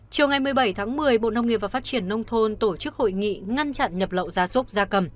chiều ngày một mươi bảy tháng một mươi bộ nông nghiệp và phát triển nông thôn tổ chức hội nghị ngăn chặn nhập lậu gia súc gia cầm